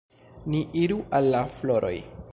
Ni iru al la floroj.